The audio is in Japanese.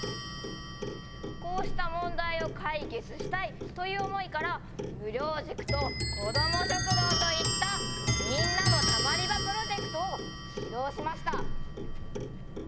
こうした問題を解決したいという思いから無料塾と子ども食堂といったみんなのたまり場プロジェクトを始動しました。